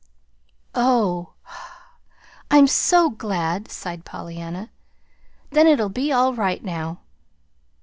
"Oh, I'm so glad," sighed Pollyanna. "Then it'll be all right now."